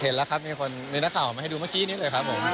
เห็นแล้วครับมีคนมีนักข่าวมาให้ดูเมื่อกี้นี้เลยครับผม